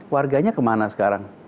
warganya kemana sekarang